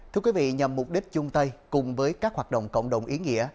thưa quý vị nhằm mục đích chung tay cùng với các hoạt động cộng đồng ý nghĩa